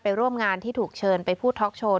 ร่วมงานที่ถูกเชิญไปพูดท็อกโชว์